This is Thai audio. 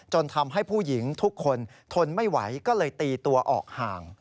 ทำให้ผู้หญิงทุกคนทนไม่ไหวก็เลยตีตัวออกห่าง